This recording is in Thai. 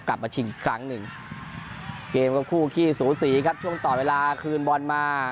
กลับมาชิงอีกครั้งหนึ่งเกมก็คู่ขี้สูสีครับช่วงต่อเวลาคืนบอลมา